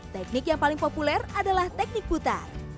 teknik yang paling populer adalah teknik putar